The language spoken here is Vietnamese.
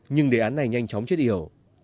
nhưng đề án này nhanh chóng chết yểu